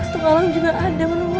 tunggalmu juga ada menurutmu